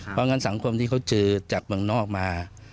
เพราะงั้นสังคมที่เขาเจอจากเมืองนอกมา